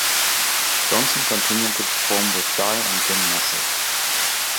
Johnson continued to perform with Guy and Gwin Massey.